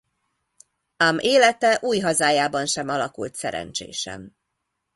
Ám élete új hazájában sem alakult szerencsésen.